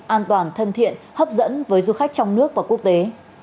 an toàn thân thiện hấp dẫn với du khách trong nước và quốc tế